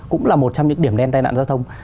cũng là một trong những điểm đen tai nạn giao thông